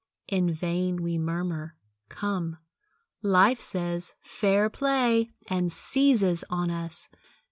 In vain we murmur; "Come," Life says, "Fair play!" And seizes on us.